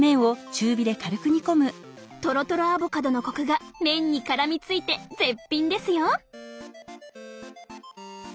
とろとろアボカドのコクが麺にからみついて絶品ですよ！